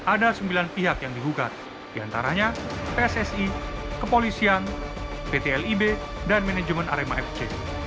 ada sembilan pihak yang dihugat diantaranya pssi kepolisian pt lib dan manajemen arema fc